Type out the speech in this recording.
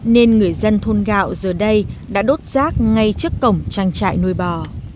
nên người dân thôn gạo giờ đây đã đốt rác ngay trước cổng trang trại nuôi bò